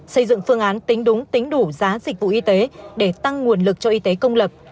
xây dựng phương án tính đúng tính đủ giá dịch vụ y tế để tăng nguồn lực cho y tế công lập